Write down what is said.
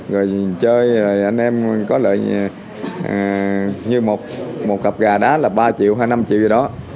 rồi chơi rồi anh em có lợi như một cặp gà đá là ba triệu hay năm triệu gì đó